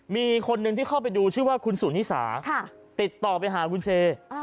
มีคนหนึ่งที่เข้าไปดูชื่อว่าคุณสุนิสาติดต่อไปหาคุณเช